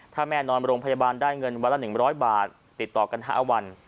ถ้าแม่นอนโรงพยาบาลได้เงินวันละ๑๐๐บาทติดต่อกัน๕วัน